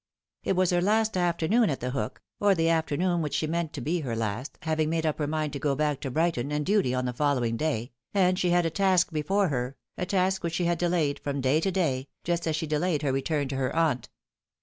It was her last afternoon at The Hook, or the af tern .on which she meant to be her last, having made up her mind to go 328 The Fatal back to Brighton and duty on the following day, and she had a task before her, a task which she had delayed from day to day, just as she had delayed her return to her aunt.